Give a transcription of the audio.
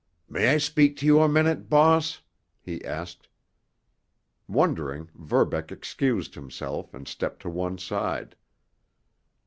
"May I speak to you a minute—boss?" he asked. Wondering, Verbeck excused himself and stepped to one side.